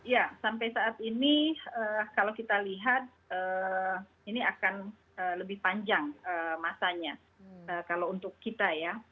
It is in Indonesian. ya sampai saat ini kalau kita lihat ini akan lebih panjang masanya kalau untuk kita ya